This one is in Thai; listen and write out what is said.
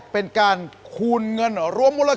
เป็นการคูณเงินรวมมูลค่า